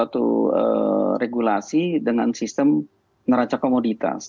yang sudah meneguhi suatu regulasi dengan sistem neraca komoditas